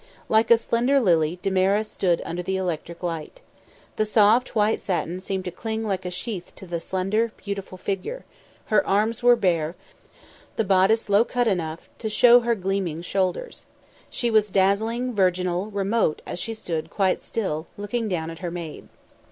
Like a slender lily Damaris stood under the electric light. The soft white satin seemed to cling like a sheath to the slender, beautiful figure; her arms were bare; the bodice cut low enough to show her gleaming shoulders. She was dazzling, virginal, remote as she stood quite still, looking down at her maid.